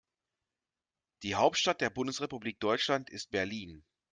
Die Hauptstadt der Bundesrepublik Deutschland ist Berlin